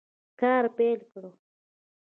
کار پیل کړ.